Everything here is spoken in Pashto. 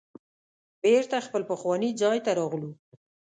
بیرته خپل پخواني ځای ته راغلو.